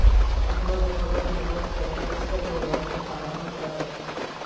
احمد د خبرو په منځ کې علي ته سترګه ووهله؛ هغه هم غلی شو.